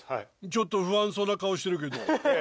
ちょっと不安そうな顔してるけど。